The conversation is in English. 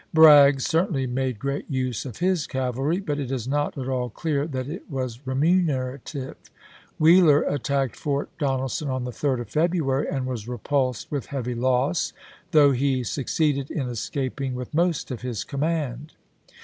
Bragg certainly made great use of his cavalry, but it is not at all clear that it was remunerative. Wheeler attacked Fort Donelson on the 3d of February, and was repulsed with heavy loss, though he succeeded in escaping with most of his command.